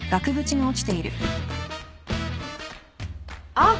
・あっ